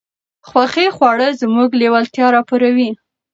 خوښې خواړه زموږ لېوالتیا راپاروي.